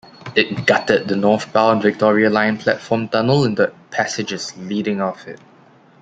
It gutted the northbound Victoria line platform tunnel and the passages leading off it.